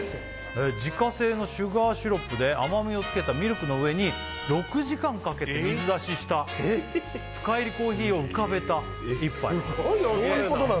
自家製のシュガーシロップで甘みをつけたミルクの上に６時間かけて水出しした深煎りコーヒーを浮かべた１杯・すごいオシャレな・